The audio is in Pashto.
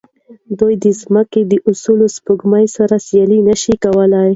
دوی د ځمکې د اصلي سپوږمۍ سره سیالي نه شي کولی.